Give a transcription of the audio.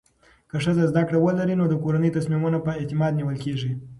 که ښځه زده کړه ولري، نو د کورنۍ تصمیمونه په اعتماد نیول کېږي.